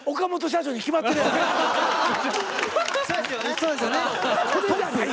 そうですよね。